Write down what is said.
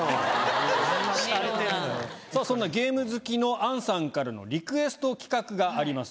さぁそんなゲーム好きの杏さんからのリクエスト企画があります